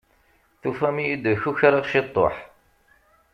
Tufam-iyi-d kukraɣ ciṭuḥ.